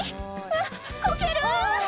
「あっこける」